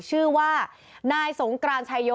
ชื่อว่านายสงกรานชายโย